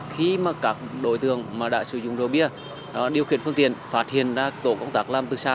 khi mà các đối tượng mà đã sử dụng rượu bia điều khiển phương tiện phát hiện ra tổ công tác làm từ xa